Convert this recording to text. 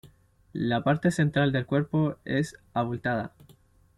La parte central del cuerpo es abultada.